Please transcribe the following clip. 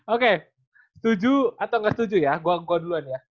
oke setuju atau nggak setuju ya guang gua duluan ya